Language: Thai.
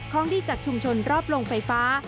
ของดีจากชุมชนรอบโรงไฟฟ้า